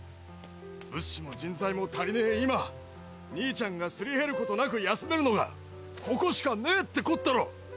物資も人材も足りねぇ今兄ちゃんがすり減る事なく休めるのがここしかねぇってこったろ！？